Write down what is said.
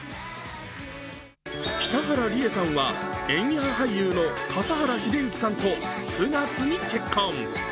北原里英さんは演技派俳優の笠原さんと９月に結婚。